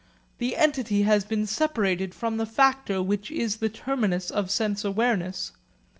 The entity has been separated from the factor which is the terminus of sense awareness.